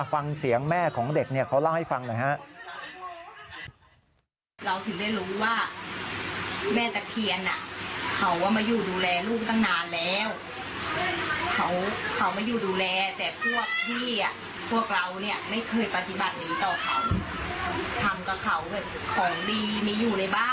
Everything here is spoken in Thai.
ฟังเสียงแม่ของเด็กเขาเล่าให้ฟังหน่อยฮะ